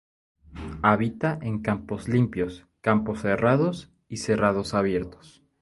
Habita en campos limpios, campos cerrados y cerrados abiertos.